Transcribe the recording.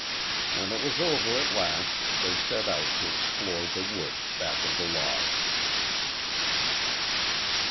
When it was over at last they set out to explore the woods back of the Lodge.